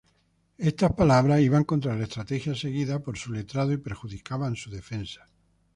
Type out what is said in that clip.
Estas palabras iban contra la estrategia seguida por su letrado y perjudicaban su defensa.